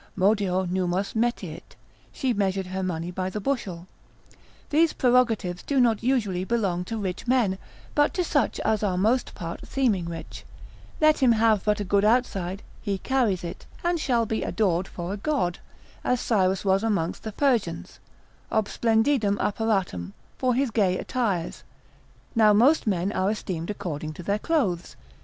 modio nummos metiit, she measured her money by the bushel. These prerogatives do not usually belong to rich men, but to such as are most part seeming rich, let him have but a good outside, he carries it, and shall be adored for a god, as Cyrus was amongst the Persians, ob splendidum apparatum, for his gay attires; now most men are esteemed according to their clothes.